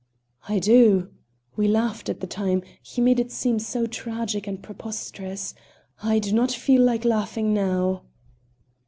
"I do. We laughed at the time; he made it seem so tragic and preposterous. I do not feel like laughing now."